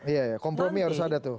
iya ya kompromi harus ada tuh